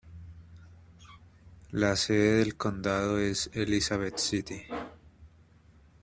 La sede del condado es Elizabeth City.